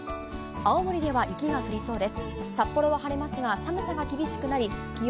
青森では雪が降りそうです。